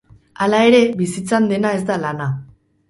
Hala ere, bizitzan dena ez da lana.